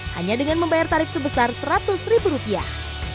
hanya dengan membayar tarif sebesar seratus ribu rupiah